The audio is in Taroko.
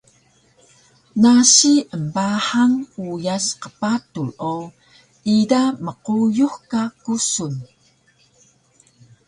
nasi embahang uyas qpatur o ida mquyux ka kusun